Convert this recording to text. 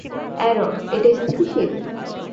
Aaron, এটা স্থিতিশীল?